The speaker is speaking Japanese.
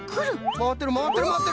まわってるまわってるまわってる！